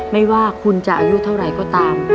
ไม่ว่าคุณจะอายุเท่าไหร่ก็ตาม